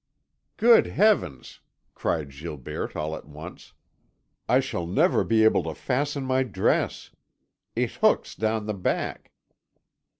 '" "Good heavens," cried Gilberte all at once, "I shall never be able to fasten my dress; it hooks down the back."